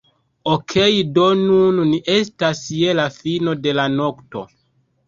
Okej do nun ni estas je la fino de la nokto